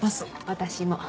私も。